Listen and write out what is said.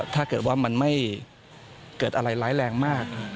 ถ้าเกิดว่ามันไม่เกิดอะไรร้ายแรงมาก